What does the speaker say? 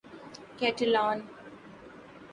Catalan